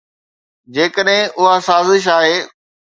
جيڪڏهن اها سازش آهي.